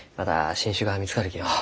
新種が見つかるきのう。